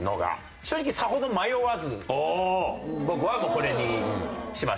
正直さほど迷わず僕はもうこれにしましたね。